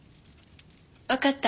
わかった。